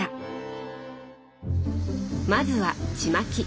まずはちまき。